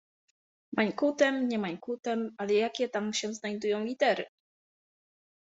Mańkutem nie mańkutem, ale jakie tam się znajdują litery?